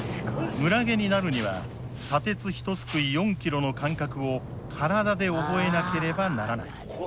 村下になるには砂鉄ひとすくい４ｋｇの感覚を体で覚えなければならない。